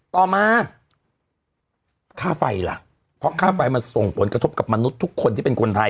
ต่อมาค่าไฟล่ะเพราะค่าไฟมันส่งผลกระทบกับมนุษย์ทุกคนที่เป็นคนไทย